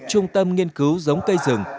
trung tâm nghiên cứu giống cây rừng